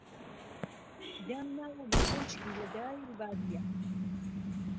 دامناوه به خوشکی له دای و بابییه